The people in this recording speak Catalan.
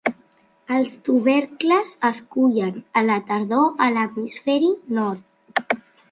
Els tubercles es cullen a la tardor a l'hemisferi nord.